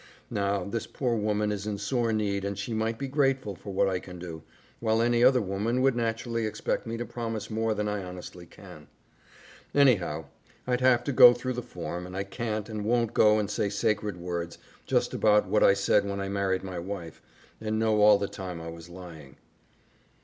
Now, this poor woman is in sore need and she might be grateful for what I can do, while any other woman would naturally expect me to promise more than I honestly can. Anyhow, I'd have to go through the form, and I can't and won't go and say sacred words just about what I said when I married my wife and know all the time I was lying."